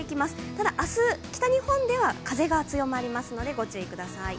ただ、明日、北日本では風が強まりますので、ご注意ください。